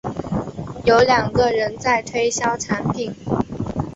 有两个人在推销产品